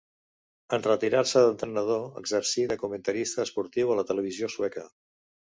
En retirar-se d'entrenador exercí de comentarista esportiu a la televisió sueca.